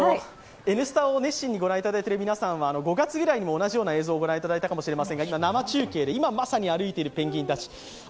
「Ｎスタ」を熱心に御覧いただいている皆さんは５月ぐらいも同じような映像を見たと思いますが今、生中継で、今まさに歩いているペンギンたち。